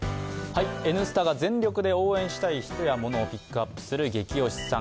「Ｎスタ」が全力で応援したい人やモノを紹介するゲキ推しさん。